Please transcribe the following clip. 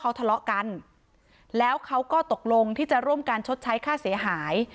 เขาทะเลาะกันแล้วเขาก็ตกลงที่จะร่วมการชดใช้ค่าเสียหาย